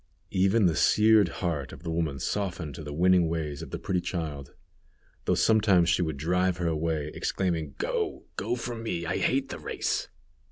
Even the seared heart of the woman softened to the winning ways of the pretty child, though sometimes she would drive her away, exclaiming: "Go, go from me I hate the race."